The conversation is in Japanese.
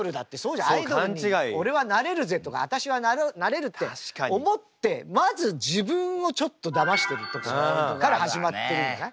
「アイドルに俺はなれるぜ」とか「あたしはなれる」って思ってまず自分をちょっとだましてるとこから始まってるじゃない？